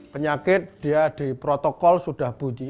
penyakit dia di protokol sudah bunyi